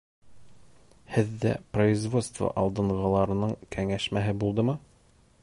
Һеҙҙә производство алдынғыларының кәңәшмәһе булдымы?